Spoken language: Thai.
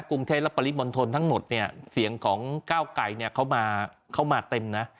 กรุงเทพและปริมณฑลทั้งหมดเนี่ยเสียงของก้าวไก่เนี่ยเขามาเต็มนะ